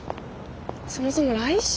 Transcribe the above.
そもそも来週って。